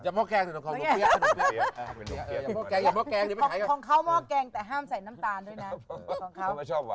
หม้อแกงแต่ห้ามใส่น้ำตาลด้วยนะ